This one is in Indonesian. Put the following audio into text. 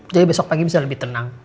jadi besok pagi bisa lebih tenang